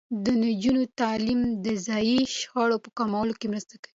د نجونو تعلیم د ځايي شخړو په کمولو کې مرسته کوي.